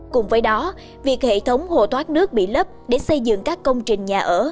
cùng với đó việc hệ thống hồ thoát nước bị lấp để xây dựng các công trình nhà ở